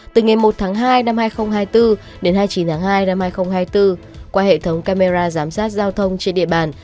từ ngày một tháng hai năm hai nghìn hai mươi bốn đến hai mươi chín tháng hai năm hai nghìn hai mươi bốn qua hệ thống camera giám sát giao thông trên địa bàn